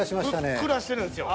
ふっくらしてるんすよ。